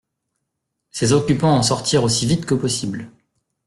Ses occupants en sortirent aussi vite que possible.